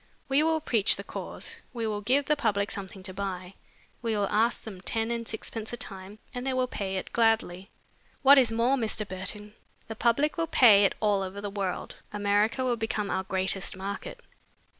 We will preach the cause. We will give the public something to buy. We will ask them ten and sixpence a time and they will pay it gladly. What is more, Mr. Burton, the public will pay it all over the world. America will become our greatest market.